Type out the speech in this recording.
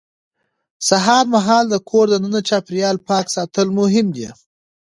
سهار مهال د کور دننه چاپېریال پاک ساتل مهم دي